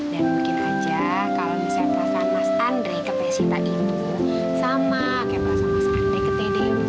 dan mungkin aja kalau misalnya perasaan mas andre ke teteh sita itu sama kayak perasaan mas andre ke teteh ini